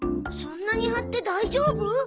そんなに貼って大丈夫？